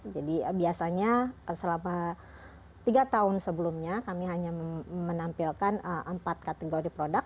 jadi biasanya selama tiga tahun sebelumnya kami hanya menampilkan empat kategori produk